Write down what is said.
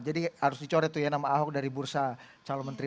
jadi harus dicoret tuh ya nama ahok dari bursa calon menteri